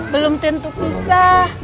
belum tentu pisah